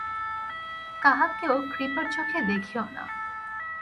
কাহাকেও কৃপার চোখে দেখিও না।